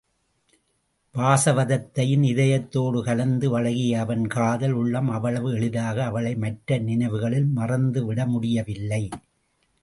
வாசவதத்தையின் இதயத்தோடு கலந்து பழகிய அவன் காதல் உள்ளம் அவ்வளவு எளிதாக அவளை மற்ற நினைவுகளில் மறந்துவிட முடியவில்லை.